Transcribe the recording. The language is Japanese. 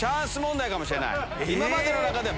今までの中では。